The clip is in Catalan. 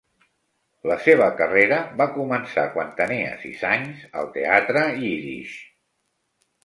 La seva carrera va començar quan tenia sis anys al teatre Yiddish.